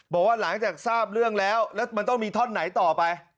บอกว่าหลังจากทราบเรื่องแล้วแล้วมันต้องมีท่อนไหนต่อไป